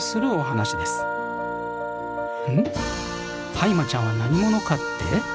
ハイマちゃんは何者かって？